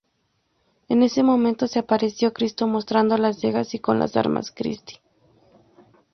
En ese momento se apareció Cristo mostrando las llagas y con los Arma Christi.